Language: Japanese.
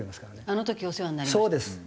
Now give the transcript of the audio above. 「あの時お世話になりました」。